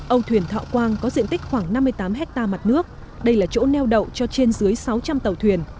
âu thuyền thọ quang có diện tích khoảng năm mươi tám hectare mặt nước đây là chỗ neo đậu cho trên dưới sáu trăm linh tàu thuyền